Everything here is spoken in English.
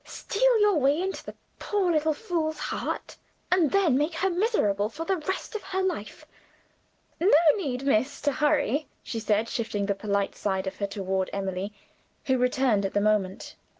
Steal your way into that poor little fool's heart; and then make her miserable for the rest of her life! No need, miss, to hurry," she said, shifting the polite side of her toward Emily, who returned at the moment.